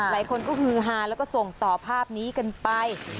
หลายคนก็ฮือฮาแล้วก็ส่งต่อภาพนี้กันไป